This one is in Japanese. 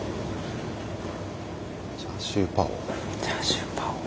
チャーシューパオ？